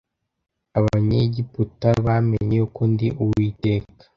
Abanyegiputa bamenye yuko ndi Uwiteka